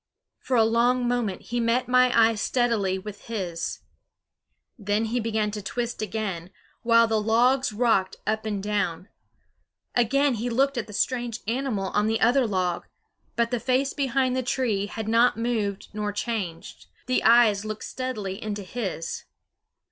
For a long moment he met my eyes steadily with his. Then he began to twist again, while the logs rocked up and down. Again he looked at the strange animal on the other log; but the face behind the tree had not moved nor changed; the eyes looked steadily into his.